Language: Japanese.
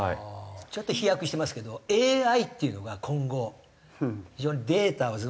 ちょっと飛躍してますけどＡＩっていうのが今後非常にデータを。